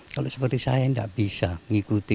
kalau seperti saya gak bisa ngikuti